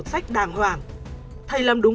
sách đàng hoàng thầy làm đúng